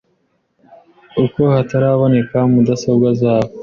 uko hetereboneke mudesobwe zebo